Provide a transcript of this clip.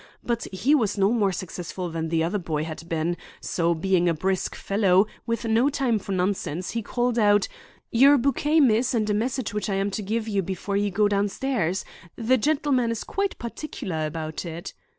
But he was no more successful than the other boy had been; so, being a brisk fellow, with no time for nonsense, he called out, 'Your bouquet, Miss, and a message, which I am to give you before you go downstairs! The gentleman is quite particular about it.